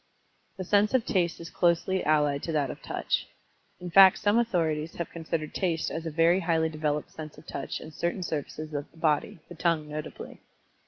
The sense of Taste is closely allied to that of Touch in fact some authorities have considered Taste as a very highly developed sense of Touch in certain surfaces of the body, the tongue notably.